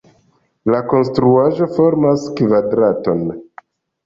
La konstruaĵo formas kvadraton.